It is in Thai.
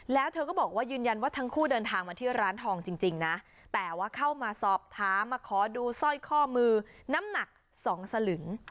แล้วเธอก็บอกว่ายืนยันว่าทั้งคู่เดินทางมาที่ร้านทองจริงนะแต่ว่าเข้ามาสอบถามมาขอดูสร้อยข้อมือน้ำหนัก๒สลึง